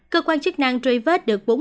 cơ quan chức năng truy vết được